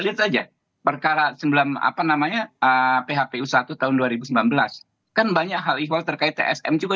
lihat saja perkara sembilan apa namanya phpu satu tahun dua ribu sembilan belas kan banyak hal ikhwal terkait tsm juga